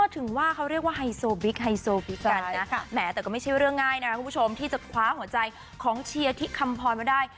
ถึงว่าเขาเรียกว่าไฮโซบิ๊กไฮโซบิ๊กกันนะแหมแต่ก็ไม่ใช่เรื่องง่ายนะคุณผู้ชมที่จะคว้าหัวใจของเชียร์ที่คำพรมาได้